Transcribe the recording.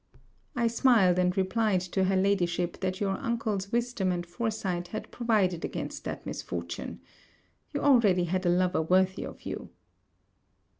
I smiled and replied to her Ladyship, that your uncle's wisdom and foresight had provided against that misfortune. You already had a lover worthy of you.